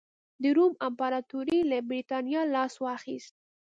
د روم امپراتورۍ له برېټانیا لاس واخیست